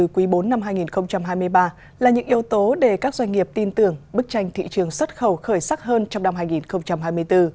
quý bốn năm hai nghìn hai mươi ba là những yếu tố để các doanh nghiệp tin tưởng bức tranh thị trường xuất khẩu khởi sắc hơn trong năm hai nghìn hai mươi bốn